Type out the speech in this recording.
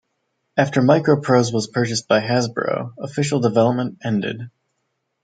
After MicroProse was purchased by Hasbro, official development ended.